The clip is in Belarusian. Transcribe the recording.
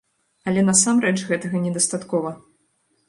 Але насамрэч гэтага недастаткова.